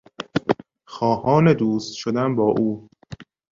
خواهان دوست شدن با او